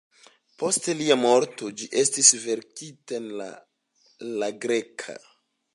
Post lia morto ĝi estis verkita en la greka.